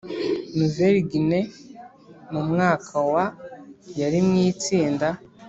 Nouvelle Guinee Mu mwaka wa yari mu itsinda